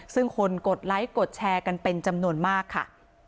ซึ่งคนกดไลค์กดแชร์กันเป็นจำนวนมากค่ะ